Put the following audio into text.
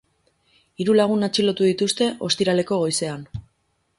Hiru lagun atxilotu dituzte, ostiraleko goizean.